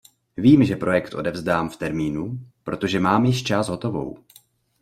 Vím, že projekt odevzdám v termínu, protože mám již část hotovou.